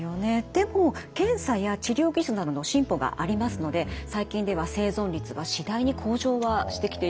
でも検査や治療技術などの進歩がありますので最近では生存率が次第に向上はしてきているんです。